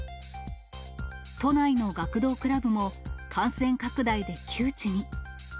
都内の学童クラブも感染拡大で窮地に。